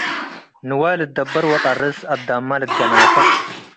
ንዋይ ልትደበር ወጠርስ' አዳምመ ልትገናፈእ ።